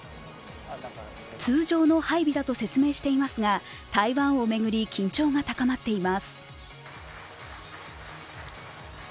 通常の配備だと説明していますが台湾を巡り緊張が高まっています。